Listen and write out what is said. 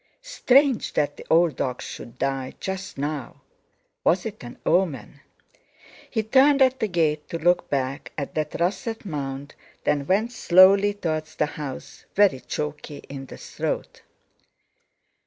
Strange that the old dog should die just now! Was it an omen? He turned at the gate to look back at that russet mound, then went slowly towards the house, very choky in the throat.